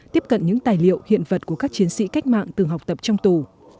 tiếp cận những tài liệu hiện vật của các chiến sĩ cách mạng từng học tập trong tù